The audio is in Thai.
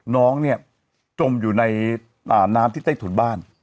น้องเนี่ยจมอยู่ในน้ำที่ใต้ถุนบ้าน